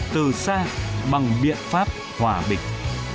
từ xa bằng biện pháp hòa bình